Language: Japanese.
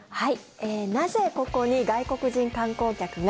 なぜ、ここに外国人観光客が？